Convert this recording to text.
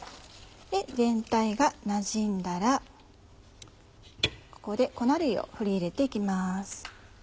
全体がなじんだらここで粉類を振り入れて行きます。